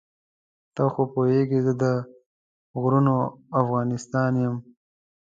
ته خو پوهېږې زه د غرونو افغانستان یم.